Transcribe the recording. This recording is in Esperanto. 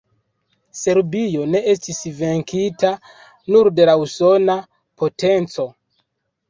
Serbio ne estis venkita nur de la usona potenco.